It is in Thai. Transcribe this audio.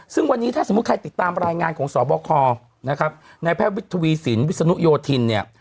ซึ่งวันนี้ถ้าสมมุติใครติดตามรายงานของสบคนะครับในแพทย์วิทวีสินวิศนุโยธินเนี่ย